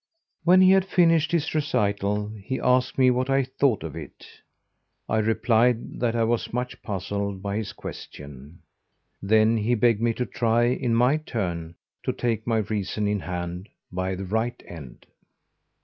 When he had finished his recital he asked me what I thought of it. I replied that I was much puzzled by his question. Then he begged me to try, in my turn, to take my reason in hand "by the right end."